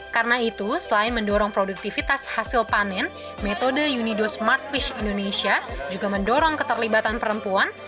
karena itu selain mendorong produktivitas hasil panen metode unido smartfish indonesia juga mendorong keterlibatan perempuan